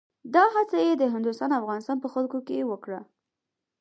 دا هڅه یې د هندوستان او افغانستان په خلکو کې وکړه.